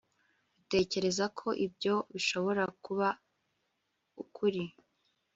utekereza ko ibyo bishobora kuba ukuri